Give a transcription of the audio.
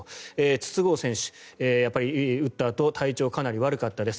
筒香選手、打ったあとは体調がかなり悪かったです。